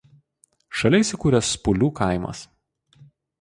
Šalia įsikūręs Spulių kaimas.